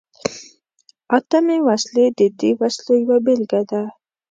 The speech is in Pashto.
اتمي وسلې د دې وسلو یوه بیلګه ده.